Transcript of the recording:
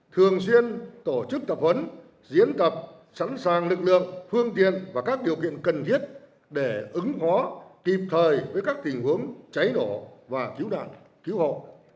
thường xuyên tổ chức tập huấn diễn tập sẵn sàng lực lượng phương tiện và các điều kiện cần thiết để ứng phó kịp thời với các tình huống cháy nổ và cứu nạn cứu hộ